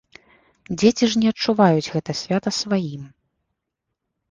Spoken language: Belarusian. Дзеці ж не адчуваюць гэта свята сваім.